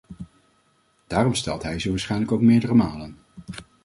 Daarom stelt hij ze waarschijnlijk ook meerdere malen.